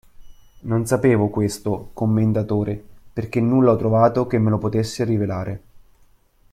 Non sapevo questo, commendatore, perché nulla ho trovato che me lo potesse rivelare.